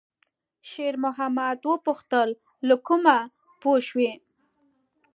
شېرمحمد وپوښتل: «له کومه پوه شوې؟»